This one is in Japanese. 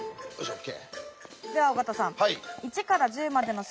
ＯＫ。